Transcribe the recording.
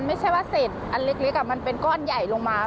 ไม่ใช่ว่าเศษอันเล็กมันเป็นก้อนใหญ่ลงมา